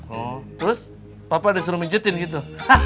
oh terus papa disuruh mikirin gitu